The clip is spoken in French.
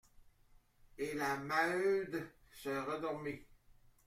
Et la Maheude se rendormit.